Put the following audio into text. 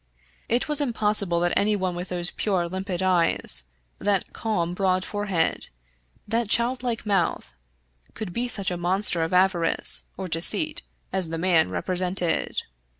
It was impossible that anyone with those pure, limpid eyes; that calm, broad forehead; that childlike mouth, could be such a monster of avarice or deceit as the old man represented.